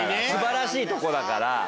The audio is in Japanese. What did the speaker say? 素晴らしいとこだから。